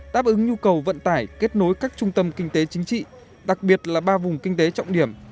đáp ứng nhu cầu vận tải kết nối các trung tâm kinh tế chính trị đặc biệt là ba vùng kinh tế trọng điểm